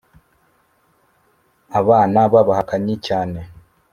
Abana b’abahakanyi cyane